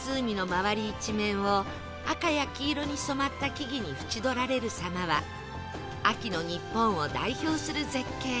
一面を赤や黄色に染まった木々に縁取られる様は秋の日本を代表する絶景